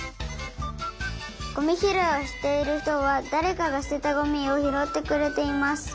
ゴミひろいをしているひとはだれかがすてたゴミをひろってくれています。